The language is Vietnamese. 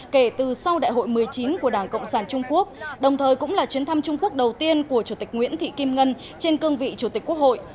kể từ sau đại hội một mươi chín của đảng cộng sản trung quốc đồng thời cũng là chuyến thăm trung quốc đầu tiên của chủ tịch nguyễn thị kim ngân trên cương vị chủ tịch quốc hội